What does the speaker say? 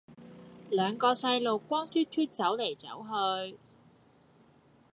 兩個細路光脫脫走黎走去